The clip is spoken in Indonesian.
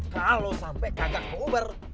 kalau sampai kagak uber